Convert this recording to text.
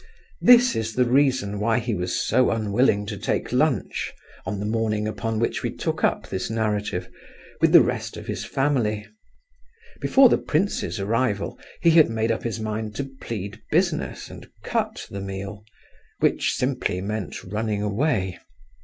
This is the reason why he was so unwilling to take lunch (on the morning upon which we took up this narrative) with the rest of his family. Before the prince's arrival he had made up his mind to plead business, and "cut" the meal; which simply meant running away.